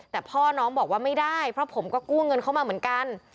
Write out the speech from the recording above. แต่พ่อน้องบอกว่าไม่ได้เพราะผมก็กู้เงินเข้ามาเหมือนกัน